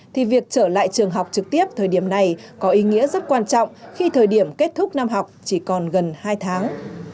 thì việc trở lại trường học trực tiếp thời điểm này có ý nghĩa rất quan trọng khi thời điểm kết thúc năm học chỉ còn gần hai tháng